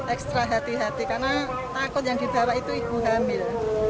ekstra hati hati karena takut yang dibawa itu ibu hamil